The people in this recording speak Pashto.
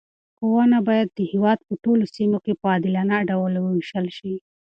ښوونه باید د هېواد په ټولو سیمو کې په عادلانه ډول وویشل شي.